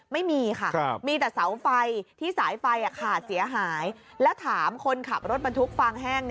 ไม่มีค่ะมีแต่เสาไฟที่สายไฟขาดเสียหายแล้วถามคนขับรถบรรทุกฟางแห้ง